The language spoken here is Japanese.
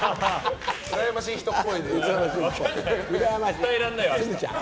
伝えられないよ、明日。